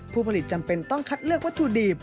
ผู้ผลิตจำเป็นต้องคัดเลือกวัตถุดิบ